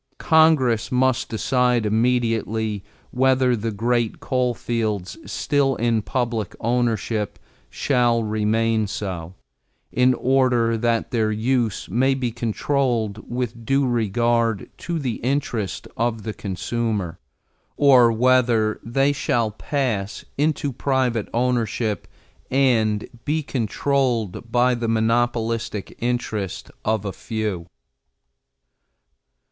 Congress must decide immediately whether the great coal fields still in public ownership shall remain so, in order that their use may be controlled with due regard to the interest of the consumer, or whether they shall pass into private ownership and be controlled in the monopolistic interest of a few.